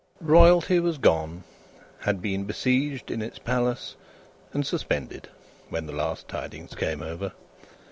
Royalty was gone; had been besieged in its Palace and "suspended," when the last tidings came over.